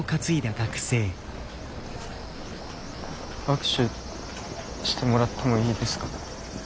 握手してもらってもいいですか？